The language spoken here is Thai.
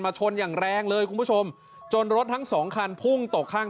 ชนอย่างแรงเลยคุณผู้ชมจนรถทั้งสองคันพุ่งตกข้าง